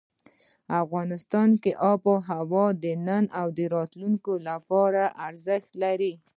افغانستان کې آب وهوا د نن او راتلونکي لپاره ارزښت لري.